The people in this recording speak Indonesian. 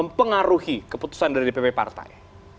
mempengaruhi keputusan dari dpp partai